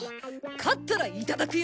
勝ったらいただくよ。